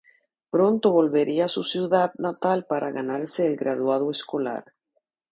Pronto volvería a su ciudad natal para ganarse el graduado escolar.